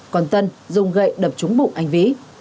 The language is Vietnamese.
còn tân dùng gậy đập trúng bụng anh vĩ